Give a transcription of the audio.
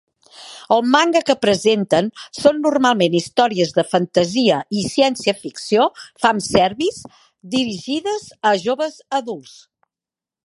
El manga que presenten són normalment històries de fantasia i ciència ficció "fanservice" dirigides a joves adults.